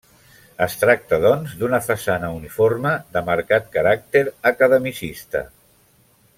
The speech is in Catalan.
Es tracta doncs d'una façana uniforme, de marcat caràcter academicista.